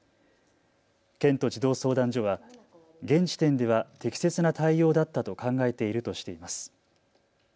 県と児童相談所は現時点では適切な対応だったと考えているとしています。